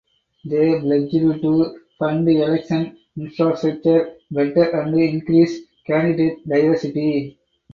They pledged to fund election infrastructure better and increase candidate diversity.